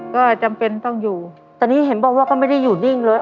ก็จำเป็นต้องอยู่ตอนนี้เห็นบอกว่าก็ไม่ได้อยู่นิ่งเลย